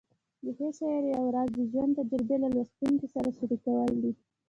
د ښې شاعرۍ یو راز د ژوند تجربې له لوستونکي سره شریکول دي.